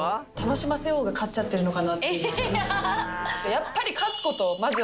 やっぱり。